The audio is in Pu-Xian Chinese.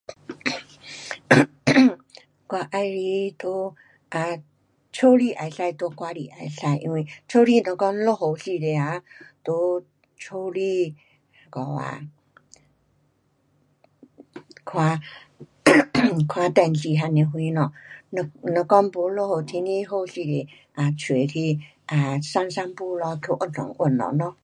我喜欢在 um 家里也可以，在外里也可以。因为家里若讲落雨时刻啊，在家里那个啊，看 看电视还是什么。若，若，讲没落雨，天气好时刻 um 出去 um 散散步咯，去运动运动咯。